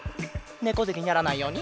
ねこぜにならないように！